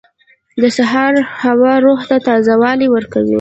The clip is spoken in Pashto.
• د سهار هوا روح ته تازه والی ورکوي.